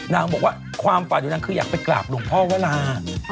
นางบอกว่าความฝันของนางคืออยากไปกราบหลวงพ่อวรา